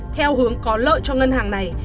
theo hướng có lợi cho ngân hàng này